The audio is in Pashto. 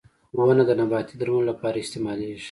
• ونه د نباتي درملو لپاره استعمالېږي.